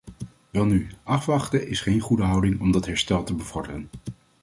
Welnu, afwachten is geen goede houding om dat herstel te bevorderen.